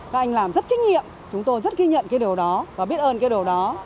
các anh làm rất trách nhiệm chúng tôi rất ghi nhận cái điều đó và biết ơn cái điều đó